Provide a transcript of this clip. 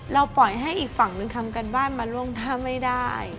ปล่อยให้อีกฝั่งหนึ่งทำการบ้านมาล่วงท่าไม่ได้